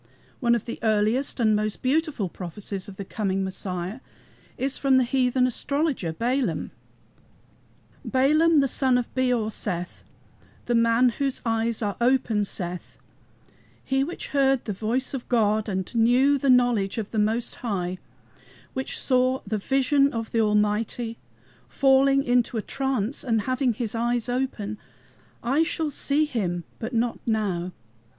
One of the earliest and most beautiful prophecies of the coming Messiah is from the heathen astrologer, Balaam: "Balaam the son of Beor saith, The man whose eyes are open, saith, He which heard the word of God And knew the knowledge of the Most High, Which saw the vision of the Almighty, Falling into a trance and having his eyes open: I shall see HIM, but not now.